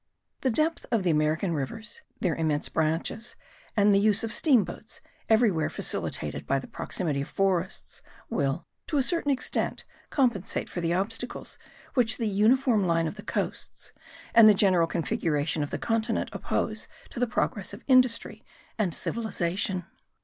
The depth of the American rivers, their immense branches, and the use of steam boats, everywhere facilitated by the proximity of forests, will, to a certain extent, compensate for the obstacles which the uniform line of the coasts and the general configuration of the continent oppose to the progress of industry and civilization.